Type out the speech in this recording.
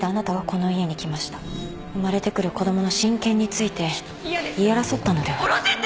生まれてくる子供の親権について言い争ったのでは？